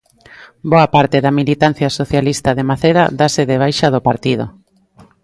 Boa parte da militancia socialista de Maceda dáse de baixa do partido.